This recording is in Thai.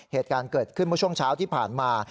เหตุการณ์เกิดขึ้นเมื่อช่วงเช้าที่ผ่านมา